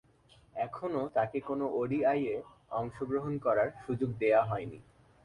এখনও তাকে কোন ওডিআইয়ে অংশগ্রহণ করার সুযোগ দেয়া হয়নি।